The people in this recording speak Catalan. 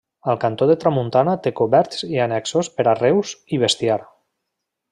Al cantó de tramuntana té coberts i annexos per arreus i bestiar.